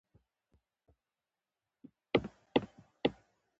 ایا زه د ویښتو جیل کارولی شم؟